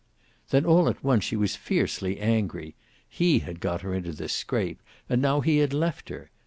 Then, all at once, she was fiercely angry. He had got her into this scrape, and now he had left her.